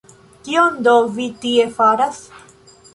Kion do vi tie faras?